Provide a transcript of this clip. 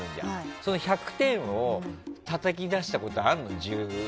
その１００点をたたき出したことあるの？